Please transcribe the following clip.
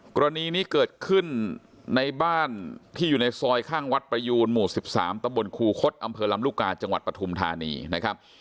กรณีนี้เกิดขึ้นในบ้านที่อยู่ในซอยข้างวัดประยูนหมู่๑๓ตะบนครูคดอำเภอลำลูกกาจังหวัดปฐุมธานีนะครับ